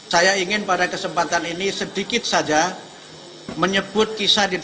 saya ingin pada kesempatan ini sedikit saja menyebut kisah di dalam al quran